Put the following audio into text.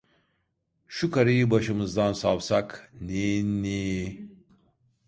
Şu karıyı başımızdan savsak, niiiinni.